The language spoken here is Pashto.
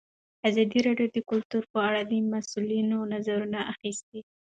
ازادي راډیو د کلتور په اړه د مسؤلینو نظرونه اخیستي.